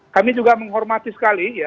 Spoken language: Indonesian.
kami juga menghormati sekali ya